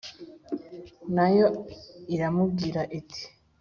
Na yo iramubwira iti